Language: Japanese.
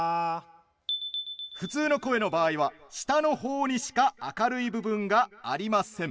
普通の声の場合は下の方にしか明るい部分がありません。